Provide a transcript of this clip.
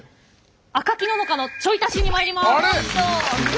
「赤木野々花のちょい足し！」にまいります。